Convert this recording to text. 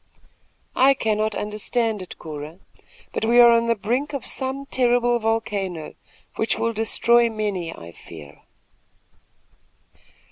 I cannot understand it, Cora; but we are on the brink of some terrible volcano, which will destroy many, I fear."